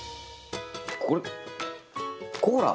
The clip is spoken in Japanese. これコーラ？